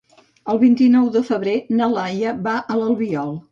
El vint-i-nou de febrer na Laia va a l'Albiol.